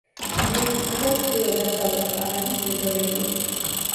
მიეკუთვნება ჩრდილო-დასავლეთ პარანის მეზორეგიონს.